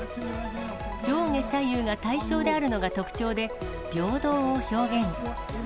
上下左右が対称であるのが特徴で、平等を表現。